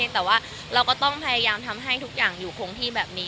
แต่ว่าเราก็ต้องพยายามทำให้ทุกอย่างอยู่คงที่แบบนี้